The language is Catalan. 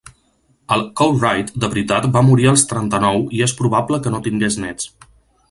El Courtright de veritat va morir als trenta-nou i és probable que no tingués nets.